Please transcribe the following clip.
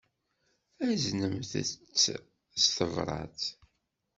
Aznemt-tt s tebṛat.